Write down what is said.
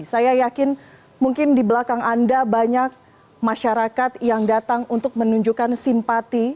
saya yakin mungkin di belakang anda banyak masyarakat yang datang untuk menunjukkan simpati